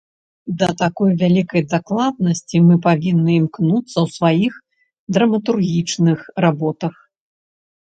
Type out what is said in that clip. Да такой вялікай дакладнасці мы павінны імкнуцца ў сваіх драматургічных работах.